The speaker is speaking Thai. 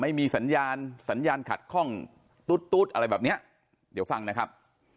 ไม่มีสัญญาณสัญญาณขัดข้องตุ๊ดตุ๊ดอะไรแบบเนี้ยเดี๋ยวฟังนะครับ